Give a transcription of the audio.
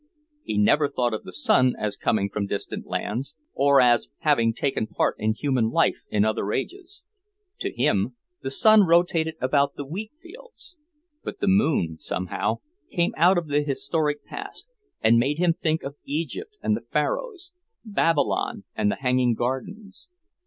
He never thought of the sun as coming from distant lands, or as having taken part in human life in other ages. To him, the sun rotated about the wheatfields. But the moon, somehow, came out of the historic past, and made him think of Egypt and the Pharaohs, Babylon and the hanging gardens.